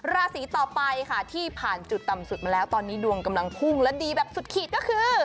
ราศีต่อไปค่ะที่ผ่านจุดต่ำสุดมาแล้วตอนนี้ดวงกำลังพุ่งและดีแบบสุดขีดก็คือ